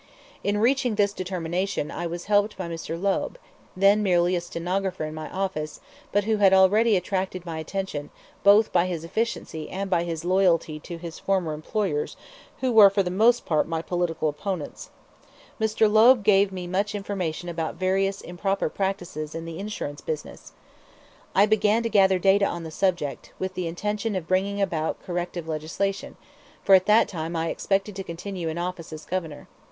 In reaching this determination I was helped by Mr. Loeb, then merely a stenographer in my office, but who had already attracted my attention both by his efficiency and by his loyalty to his former employers, who were for the most part my political opponents. Mr. Loeb gave me much information about various improper practices in the insurance business. I began to gather data on the subject, with the intention of bringing about corrective legislation, for at that time I expected to continue in office as Governor.